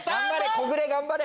木暮頑張れ！